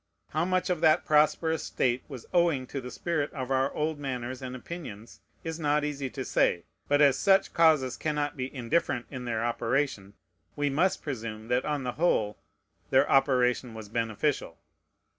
How much of that prosperous state was owing to the spirit of our old manners and opinions is not easy to say; but as such causes cannot be indifferent in their operation, we must presume, that, on the whole, their operation was beneficial.